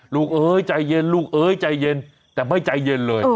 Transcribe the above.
เอ้ยใจเย็นลูกเอ้ยใจเย็นแต่ไม่ใจเย็นเลย